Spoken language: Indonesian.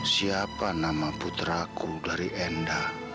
siapa nama putraku dari enda